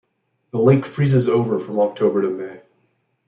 The lake freezes over from October to May.